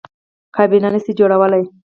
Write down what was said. کابینه نه شي جوړولی.